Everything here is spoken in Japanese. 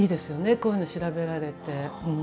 こういうの調べられて。